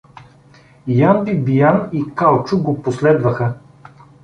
Ян Бибиян и Калчо го последваха.